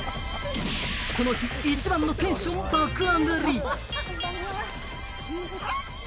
この日、一番のテンション爆上がり。